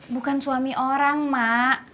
bukan suami orang mak